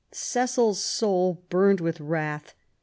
Cecil's soul burned with wrath.